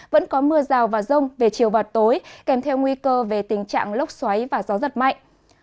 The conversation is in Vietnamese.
vẫn có mưa rào và rông về chiều và tối kèm theo nguy cơ về tình trạng lốc xoáy và gió giật mạnh